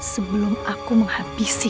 sebelum aku menghabisi